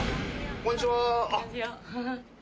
こんにちは！